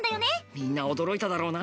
みんな驚いただろうな。